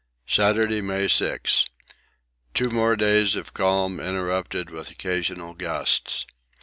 Saturday, May 6. Two more days of calm, interrupted with occasional gusts.